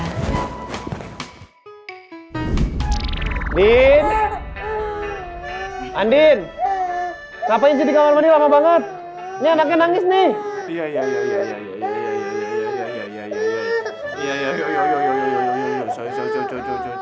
andien andien ngapain di kamar kamar banget nih anaknya nangis nih ya ya ya ya ya ya ya ya ya